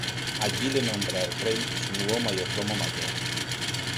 Allí le nombra el rey su nuevo Mayordomo mayor.